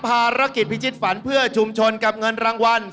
ภารกิจพิจิตฝันเพื่อชุมชนกับเงินรางวัล